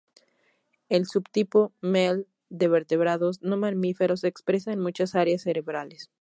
El subtipo Mel de vertebrados no mamíferos se expresa en muchas áreas cerebrales.